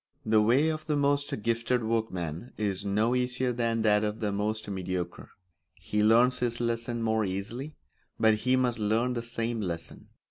The way of the most gifted workman is no easier than that of the most mediocre; he learns his lesson more easily, but he must learn the same lesson.